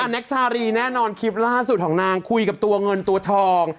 แท็กชารีแน่นอนคลิปล่าสุดของนางคุยกับตัวเงินตัวทอง